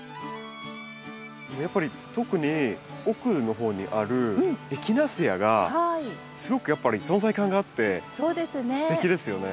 やっぱり特に奥のほうにあるエキナセアがすごくやっぱり存在感があってすてきですよね。